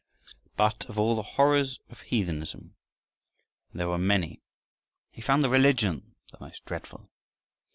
But of all the horrors of heathenism, and there were many, he found the religion the most dreadful.